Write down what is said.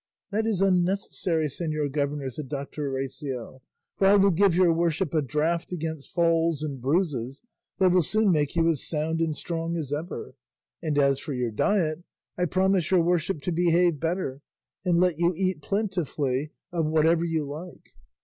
"That is unnecessary, señor governor," said Doctor Recio, "for I will give your worship a draught against falls and bruises that will soon make you as sound and strong as ever; and as for your diet I promise your worship to behave better, and let you eat plentifully of whatever you like."